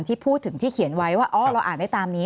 ที่พูดถึงที่เขียนไว้ว่าอ๋อเราอ่านได้ตามนี้